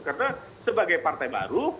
karena sebagai partai baru